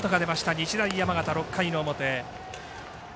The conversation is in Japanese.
日大山形、６回の表。